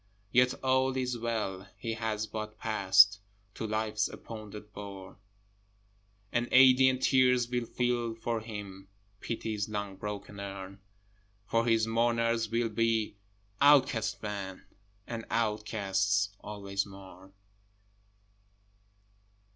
Yet all is well; he has but passed To Life's appointed bourne: And alien tears will fill for him Pity's long broken urn, For his mourner will be outcast men, And outcasts always mourn.